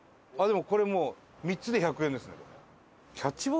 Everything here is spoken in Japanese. あっでもこれもう３つで１００円ですね。